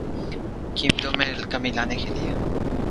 قیمتوں میں کمی لانے کیلئے